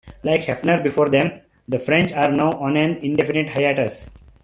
Like Hefner before them, The French are now on an indefinite hiatus.